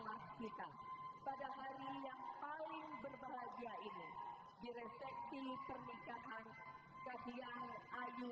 di reseksi pernikahan kahlia ayu siregar